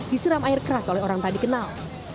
diseram air keras oleh orang tadi kenal